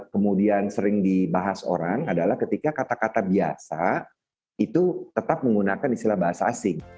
kemudian sering dibahas orang adalah ketika kata kata biasa itu tetap menggunakan istilah bahasa asing